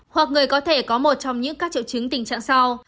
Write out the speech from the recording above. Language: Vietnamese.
hoặc người có thể có một trong những các triệu chứng tình trạng sau